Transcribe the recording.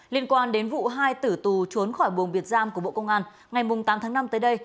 liên quan đến vụ hai tử tù trốn khỏi buồng biệt giam của bộ công an ngày tám tháng năm tới đây